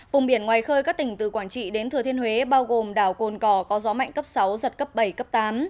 vùng biển ngoài khơi các tỉnh từ quảng trị đến thừa thiên huế bao gồm đảo cồn cò có gió mạnh cấp sáu giật cấp bảy cấp tám